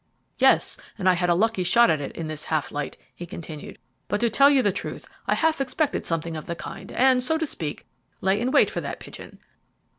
"Yes, and I had a lucky shot at it in this half light," he continued; "but to tell you the truth, I half expected something of the kind, and, so to speak, lay in wait for that pigeon.